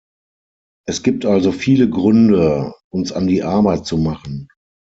Es gibt also viele Gründe, uns an die Arbeit zu machen.